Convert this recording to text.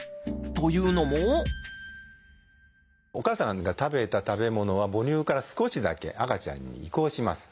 というのもお母さんが食べた食べ物は母乳から少しだけ赤ちゃんに移行します。